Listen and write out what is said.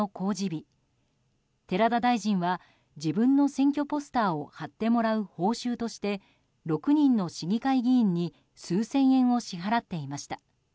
日寺田大臣は自分の選挙ポスターを貼ってもらう報酬として６人の市議会議員に数千円を支払っていました。